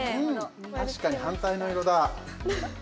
確かに反対の色だ！